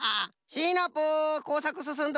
シナプーこうさくすすん